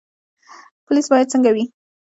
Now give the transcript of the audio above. پولیس باید څنګه وي؟